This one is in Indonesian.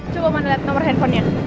coba mandi liat nomer handphonenya